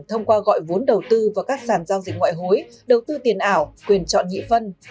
thông qua gọi vốn đầu tư vào các sản giao dịch ngoại hối đầu tư tiền ảo quyền chọn nhị phân